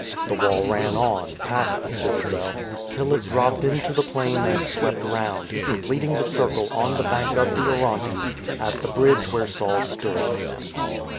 The wall ran on, past the citadel, till it dropped into the plain and swept round, completing the circle on the bank of the Orontes at the bridge where Saul stood.